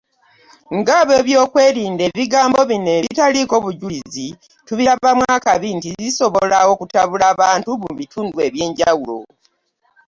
Ng’abeebyokwerinda, ebigambo bino ebitaliiko bujulizi, tubirabamu abaakabi nti bisobola okutabula abantu mu bitundu ebyenjawulo.